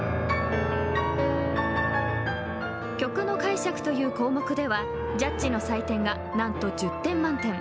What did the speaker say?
曲の解釈という項目ではジャッジの採点が何と１０点満点。